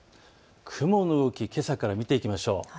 雲の動き、けさから見ていきましょう。